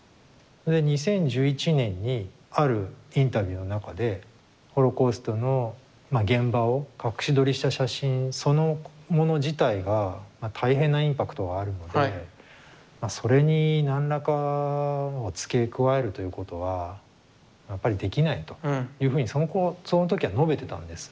２０１１年にあるインタビューの中でホロコーストの現場を隠し撮りした写真そのもの自体が大変なインパクトがあるのでそれに何らかを付け加えるということはやっぱりできないというふうにその時は述べてたんです。